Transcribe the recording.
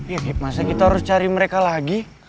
ya masa kita harus cari mereka lagi